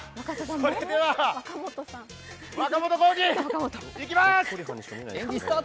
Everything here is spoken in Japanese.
それでは、若本工事、行きます！